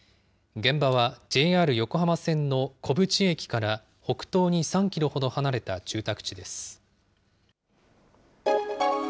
現場はＪＲ横浜線の古淵駅から北東に３キロほど離れた住宅地です。